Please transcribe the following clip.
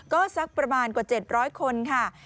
ก็สักประมาณกว่า๗๐๐คนค่ะ